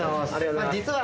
実は。